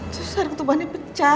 terus arung ketubuhannya pecah